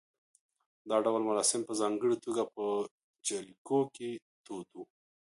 دا ډول مراسم په ځانګړې توګه په جریکو کې دود و